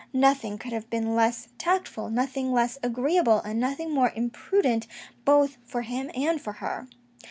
Nothing could have been less tactful, nothing less agreeable, and nothing more imprudent both for him and for her.